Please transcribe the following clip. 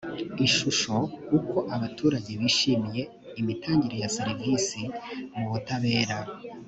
ishusho uko abaturage bishimiye imitangire ya serivisi mu butabera